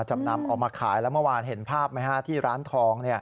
จำนำออกมาขายแล้วเมื่อวานเห็นภาพไหมฮะที่ร้านทอง